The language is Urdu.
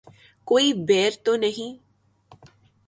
کوئی بیر تو نہیں